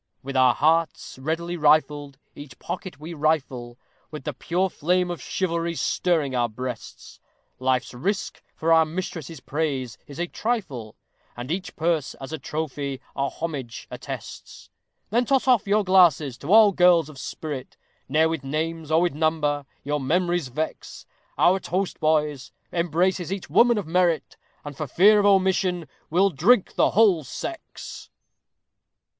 With our hearts ready rifled, each pocket we rifle, With the pure flame of chivalry stirring our breasts; Life's risk for our mistress's praise is a trifle; And each purse as a trophy our homage attests. Then toss off your glasses to all girls of spirit, Ne'er with names, or with number, your memories vex; Our toast, boys, embraces each woman of merit, And, for fear of omission, we'll drink the WHOLE SEX.